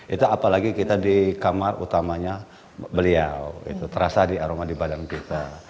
itu apalagi kita di kamar utamanya beliau itu terasa di aroma di badan kita